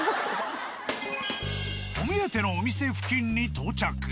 お目当てのお店付近に到着。